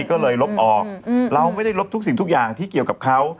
ก็เลยลบออกเราไม่ได้ลบทุกสิ่งทุกอย่างที่เกี่ยวกับเขา